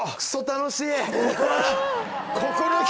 楽しい。